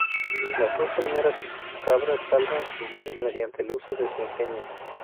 Las dos primeras cabras salvan sus vidas mediante el uso de su ingenio.